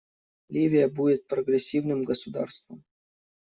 Ливия будет прогрессивным государством.